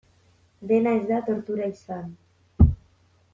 Dena ez da tortura izan.